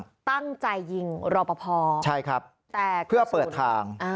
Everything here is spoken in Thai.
เขาตั้งใจยิงรอปภแต่กระสุนใช่ครับเพื่อเปิดทาง